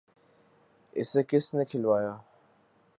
‘ اسے کس نے کھلوایا؟